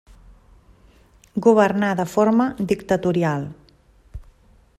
Governà de forma dictatorial.